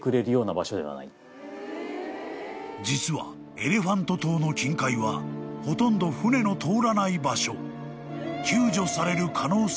［実はエレファント島の近海はほとんど船の通らない場所］